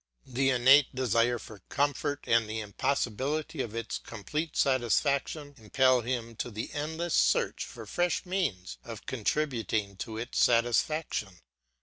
The innate desire for comfort and the impossibility of its complete satisfaction impel him to the endless search for fresh means of contributing to its satisfaction.